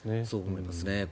そう思いますね。